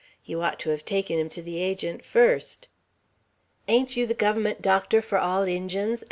"You ought to have taken him to the Agent first." "Ain't you the Guvvermunt doctor for all Injuns?"